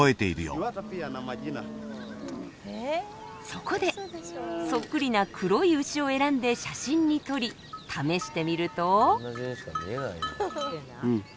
そこでそっくりな黒い牛を選んで写真に撮り試してみると。